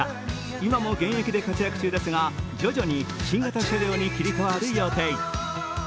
今も現役で活躍中ですが、徐々に新型車両に切り替わる予定。